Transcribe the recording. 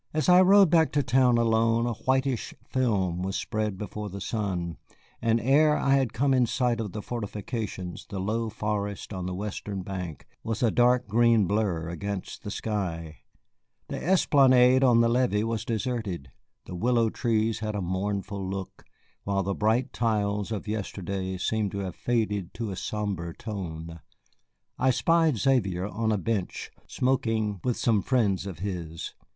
As I rode back to town alone a whitish film was spread before the sun, and ere I had come in sight of the fortifications the low forest on the western bank was a dark green blur against the sky. The esplanade on the levee was deserted, the willow trees had a mournful look, while the bright tiles of yesterday seemed to have faded to a sombre tone. I spied Xavier on a bench smoking with some friends of his.